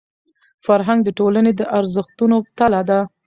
فرهنګ د ټولني د ارزښتونو تله ده.